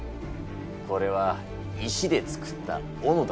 これは石で作ったおのだな。